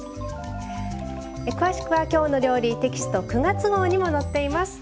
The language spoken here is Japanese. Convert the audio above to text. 詳しくは「きょうの料理」テキスト９月号にも載っています。